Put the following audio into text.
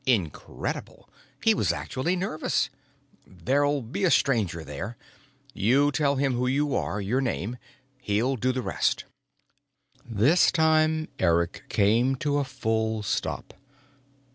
Incredible he was actually nervous! "There'll be a Stranger there. You tell him who you are, your name. He'll do the rest." This time Eric came to a full stop.